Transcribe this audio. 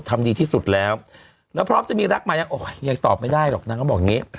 ทำดีที่สุดแล้วแล้วพร้อมจะมีรักไหมยังตอบไม่ได้หรอกนางก็บอกอย่างนี้